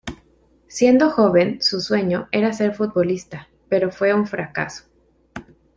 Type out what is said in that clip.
Siendo joven, su sueño era ser futbolista, pero fue un fracaso.